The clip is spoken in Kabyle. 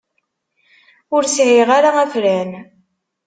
Ur sɛiɣ ara afran.